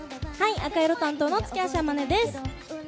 赤色担当、月足天音です。